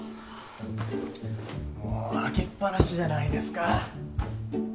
もう開けっ放しじゃないですか。